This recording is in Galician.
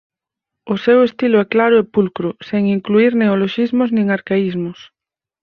O seu estilo é claro e pulcro sen incluír neoloxismos nin arcaísmos.